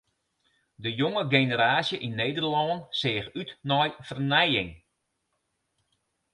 De jonge generaasje yn Nederlân seach út nei fernijing.